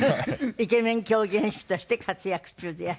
イケメン狂言師として活躍中でいらっしゃいます。